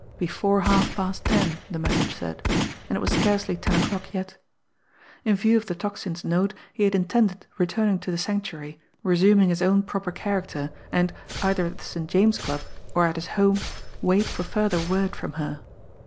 Before half past ten, the message said; and it was scarcely ten o'clock yet. In view of the Tocsin's note, he had intended returning to the Sanctuary, resuming his own proper character, and, either at the St. James Club, or at his home, wait for further word from her.